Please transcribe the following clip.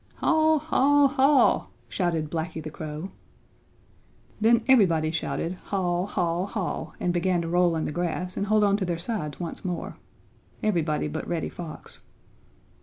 "Haw! haw! haw!" shouted Blacky the Crow. Then everybody shouted "Haw! haw! haw!" and began to roll in the grass and hold on to their sides once more; everybody but Reddy Fox.